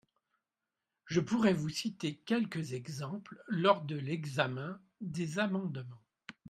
Je pourrai vous citer quelques exemples lors de l’examen des amendements.